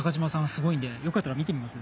すごいんでよかったら見てみます？